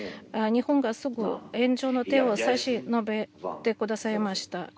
日本が、すぐ援助の手を差し伸べてくださいました。